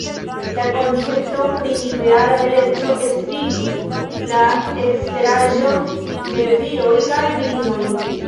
La koncepto pri ideala beleco estigis la eksteraĵon de viroj kaj virinoj.